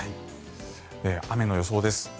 雨の予想です。